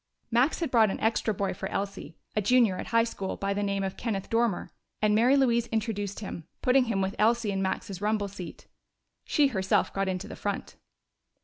Max had brought an extra boy for Elsie, a junior at high school, by the name of Kenneth Dormer, and Mary Louise introduced him, putting him with Elsie in Max's rumble seat. She herself got into the front.